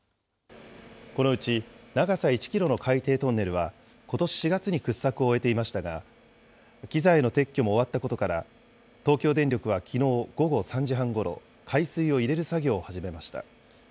このうち、長さ１キロの海底トンネルはことし４月に掘削を終えていましたが、機材の撤去も終わったことから、東京電力はきのう午後３時半ごろ、海水を入れる作業を始めました。